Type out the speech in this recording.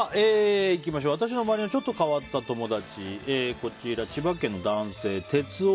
私の周りのちょっと変わった友達千葉県男性